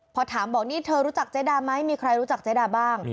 พอถามบอกนี่เธอรู้จักเจ๊ดาไหมมีใครรู้จักเจ๊ดาบ้าง